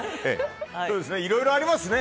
いろいろありますね。